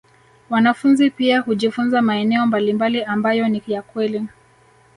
Wanafunzi pia hujifunza maeneo mbalimbali ambayo ni ya kweli